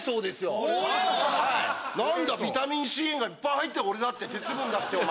ビタミンＣがいっぱい入ってる俺だって鉄分だってお前。